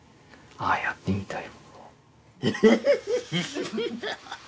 ああやってみたい。